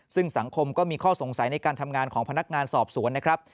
ซึ่งสังคมก็มีข้อสงสัยในการทำงานของพนักงานสอบสวนนะครับ